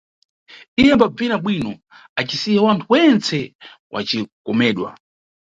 Iye ambabzina bwino acisiya wanthu wentse wa kukomedwa.